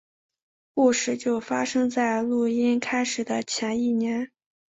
故事就发生在录音开始的前一年。